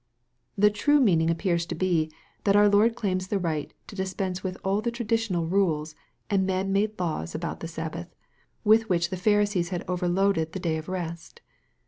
The true meaning appears to be, that our Lord claims the right to iispense with all the traditional rules, and man made laws about the Sabbath, with which the Pharisees had overloaded the day of rest.